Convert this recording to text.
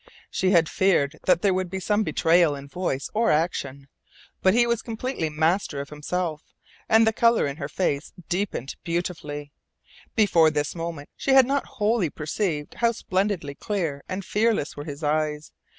She had feared that there would be some betrayal in voice or action. But he was completely master of himself, and the colour in her face deepened beautifully. Before this moment she had not wholly perceived how splendidly clear and fearless were his eyes.